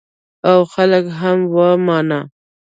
او خلکو هم ومانه.